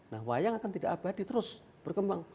nah wayang akan tidak abadi terus berkembang